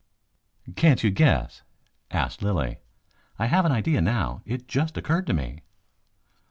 "Can't you guess?" asked Lilly. "I have an idea now. It has just occurred to me."